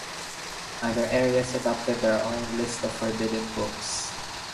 Other areas adopted their own lists of forbidden books.